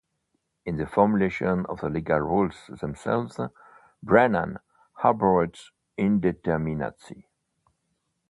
In the formulation of the legal rules themselves, Brennan abhorred indeterminacy.